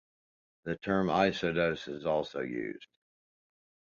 The term eisodos is also used.